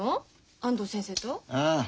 安藤先生と？